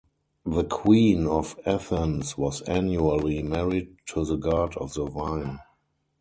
The Queen of Athens was annually married to the god of the vine.